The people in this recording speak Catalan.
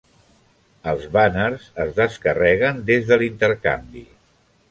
Els bàners es descarreguen des de l'intercanvi.